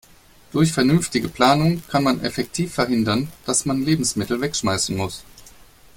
Durch vernünftige Planung kann man effektiv verhindern, dass man Lebensmittel wegschmeißen muss.